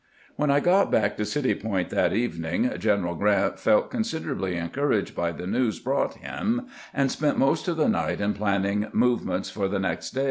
When I got back to City Point that evening General Grant felt considerably encouraged by the news brought him, and spent most of the night in planning move ments for the next day.